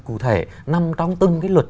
cụ thể nằm trong từng cái luật